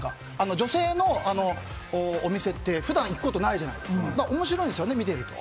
女性のお店って普段行くことないじゃないですか面白いんですよね、見てると。